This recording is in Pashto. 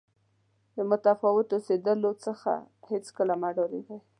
د متفاوت اوسېدلو څخه هېڅکله مه ډارېږئ.